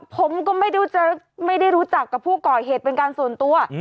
ผมก็ไม่ได้รู้จักกับผู้ก่อเหตุเป็นการส่วนตัว